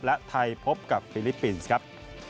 และไทยพบกับฟิลิปปินส์ครับ